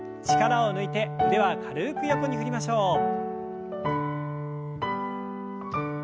力を抜いて腕は軽く横に振りましょう。